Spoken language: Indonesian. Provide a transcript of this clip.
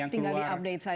tinggal di update saja